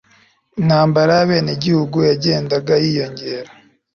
intambara y abenegihugu yagendaga yiyongera